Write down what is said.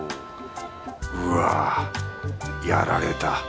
うわ！やられた。